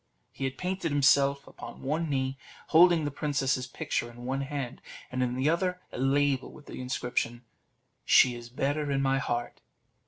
He had painted himself upon one knee, holding the princess's picture in one hand, and in the other a label with this inscription "She is better in my heart."